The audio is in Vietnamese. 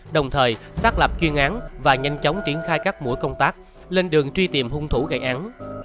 đồng thời xác lập chuyên án và nhanh chóng triển khai các mũi công tác lên đường truy tìm hung thủ gây án